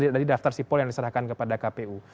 dari daftar sipol yang diserahkan kepada kpu